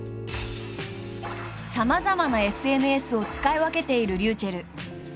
さまざまなＳＮＳを使い分けているｒｙｕｃｈｅｌｌ。